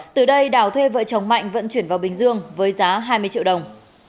từ đây đào thuê vợ chồng mạnh vận chuyển vào bình dương với giá hai mươi triệu đồng